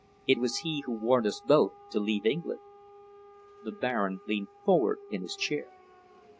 It was he who warned us both to leave England." The Baron leaned forward in his chair.